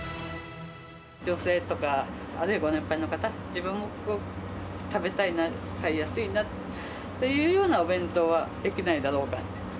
女性とかご年配の方、自分も食べたいな、買いやすいなというようなお弁当は出来ないだろうかと。